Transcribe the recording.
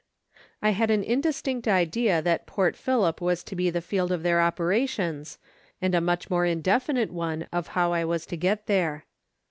I had an indistinct idea that Port Phillip was to be the field of their operations, and a much more indefinite one of how I was to get there.